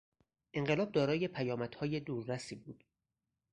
انقلاب دارای پیامدهای دور رسی بود.